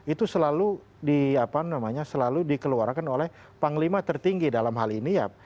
itu selalu di apa namanya selalu dikeluarkan oleh panglima tertinggi dalam hal ini ya